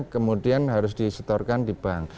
kemudian harus di storekan di bank